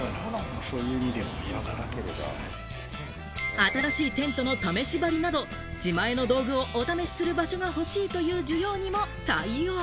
新しいテントの試し張りなど、自前の道具をお試しする場所が欲しいという需要にも対応。